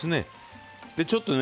ちょっとね